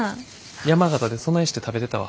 山形でそないして食べてたわ。